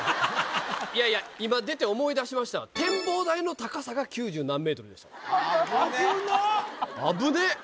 いやいや今出て思い出しました展望台の高さが９０何メートルでしたわ危ねっ！